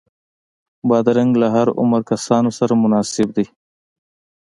بادرنګ له هر عمره کسانو سره مناسب دی.